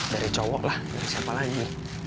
dari cowok lah dari siapa lagi